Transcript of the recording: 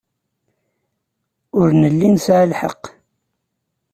Ur nelli nesɛa lḥeqq.